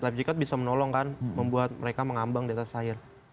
life jacket bisa menolong kan membuat mereka mengambang di atas air